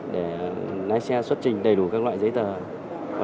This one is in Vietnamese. để lái xe xuất trình đầy đủ các loại giấy tờ